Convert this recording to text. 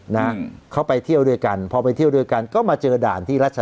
นิดเดียวกูนชุมภิกฤศ